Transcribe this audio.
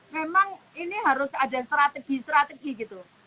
memang ini harus ada strategi strategi gitu